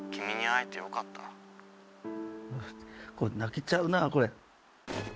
あっこれ泣けちゃうなあこれ。